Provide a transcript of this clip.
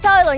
vẫn lờm cô